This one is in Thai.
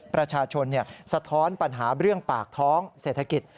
ประชาชนสะท้อนปัญหาเรื่องปากท้องเศรษฐกิจ